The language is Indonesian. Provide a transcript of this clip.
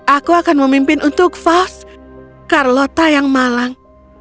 aku akan memimpin untuk fast carlota yang malang